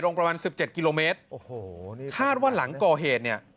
รงประวัน๑๗กิโลเมตรคาดว่าหลังก่อเหตุเนี่ย